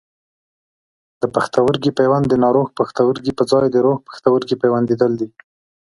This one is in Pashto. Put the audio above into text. د پښتورګي پیوند د ناروغ پښتورګي پر ځای د روغ پښتورګي پیوندول دي.